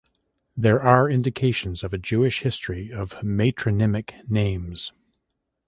There are indications of a Jewish history of matronymic names.